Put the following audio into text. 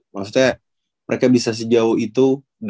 maksudnya mereka bisa sejauh itu